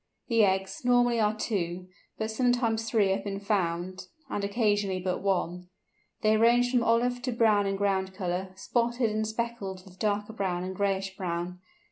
The eggs, normally, are two, but sometimes three have been found, and occasionally but one. They range from olive to brown in ground colour, spotted and speckled with darker brown and grayish brown.